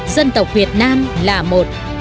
dân tộc việt nam là một